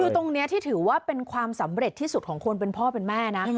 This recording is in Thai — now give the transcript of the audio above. คือตรงนี้ที่ถือว่าเป็นความสำเร็จที่สุดของคนเป็นพ่อเป็นแม่นะ